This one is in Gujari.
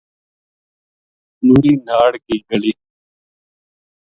نوری ناڑ کی گلی